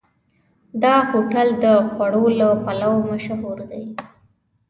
دا هوټل د خوړو له پلوه مشهور دی.